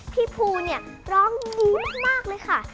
พี่ภูเนี่ยร้องดีมากเลยค่ะ